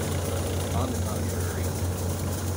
On the contrary.